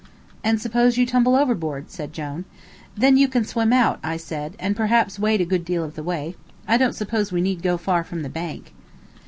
"And suppose you tumble overboard," said Jone. "Then you can swim out," I said, "and perhaps wade a good deal of the way. I don't suppose we need go far from the bank."